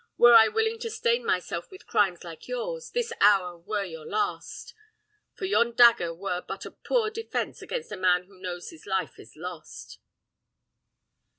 Were I willing to stain myself with crimes like yours, this hour were your last; for yon dagger were but a poor defence against a man who knows his life is lost."